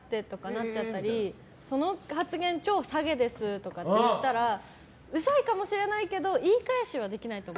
なっちゃったりその発言、超サゲですーとか言ったらウザいかもしれないけど言い返しはできないと思う。